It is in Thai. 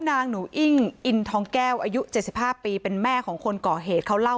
นางหนูอิ้งอินทองแก้วอายุ๗๕ปีเป็นแม่ของคนก่อเหตุเขาเล่า